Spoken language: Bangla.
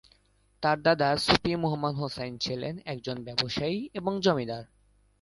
তার দাদা সুফি মুহাম্মদ হুসাইন ছিলেন একজন ব্যবসায়ী এবং জমিদার।